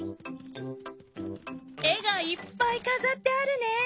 絵がいっぱい飾ってあるね。